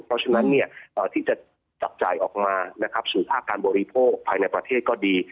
เพราะฉะนั้นที่จะจับจ่ายออกมานะครับสู่ภาคการบริโภคภายในประเทศก็ดี